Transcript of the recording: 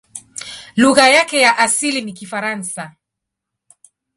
Lugha yake ya asili ni Kifaransa.